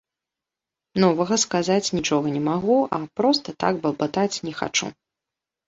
Новага сказаць нічога не магу, а проста так балбатаць не хачу.